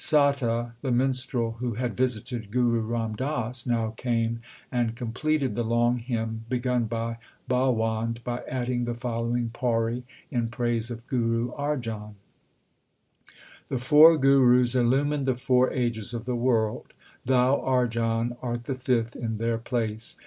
Satta, the minstrel who had visited Guru Ram Das, now came and completed the long hymn begun by Balwand by adding the following pauri in praise of Guru Arjan : The four Gurus illumined the four ages of the world ; thou, Arjan, art the fifth in their place.